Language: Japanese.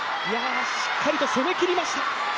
しっかりと攻めきりました。